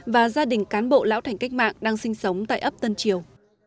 và gia đình cán bộ lão thành cách mạng đang sinh sống tại ấp tân triều